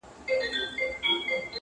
o زوړ خر، نوې توبره.